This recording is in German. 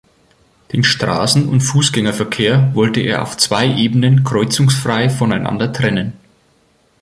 Den Straßen- und Fußgängerverkehr wollte er auf zwei Ebenen kreuzungsfrei voneinander trennen.